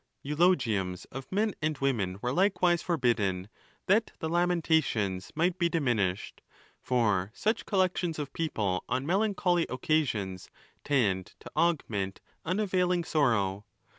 Kulogiums of men and women were likewise forbidden, that the lamentations might be diminished ; for such collections of people on melancholy occasions tend to augment unavailing sorrow.